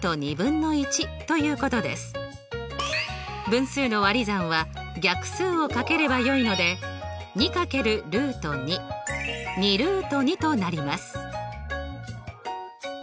分数の割り算は逆数を掛ければよいので２×ルート２２ルート２となります。